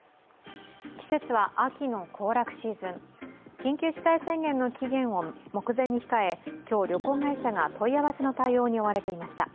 緊急事態宣言の期限を目前に控え今日、旅行会社が問い合わせの対応に追われていました。